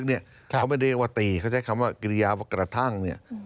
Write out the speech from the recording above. เขาไม่เรียกว่าตีเขาใช้คำว่ากิริยากระทั่ง